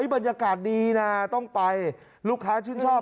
บรรยากาศดีนะต้องไปลูกค้าชื่นชอบ